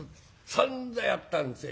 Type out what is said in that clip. さんざんやったんですよ。